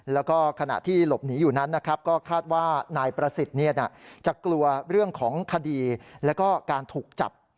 แล้วก็ขณะที่หลบหนีอยู่นั้นนะครับก็คาดว่านายประสิทธิ์จะกลัวเรื่องของคดีแล้วก็การถูกจับ